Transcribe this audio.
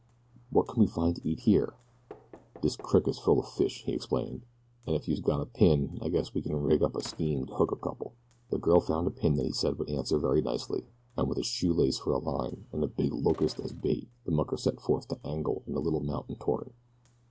"What can we find to eat here?" she asked. "Dis crick is full o' fish," he explained, "an' ef youse got a pin I guess we kin rig up a scheme to hook a couple." The girl found a pin that he said would answer very nicely, and with a shoe lace for a line and a big locust as bait the mucker set forth to angle in the little mountain torrent.